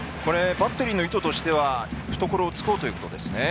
バッテリーの意図としては懐を突こうということですね。